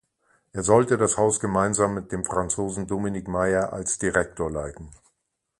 Er sollte das Haus gemeinsam mit dem Franzosen Dominique Meyer als Direktor leiten.